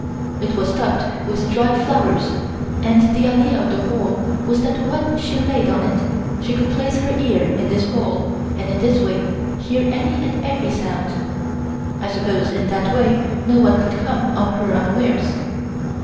It was stuffed with dried flowers, and the idea of the hole was that when she laid on it she could place her ear in this hole and in this way hear any and every sound. I suppose in that way no one could come on her unawares.